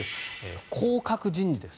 降格人事です。